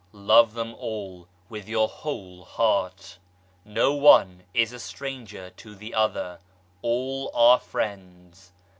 Love them all with your whole heart ; no one is a stranger to the other, all are friends.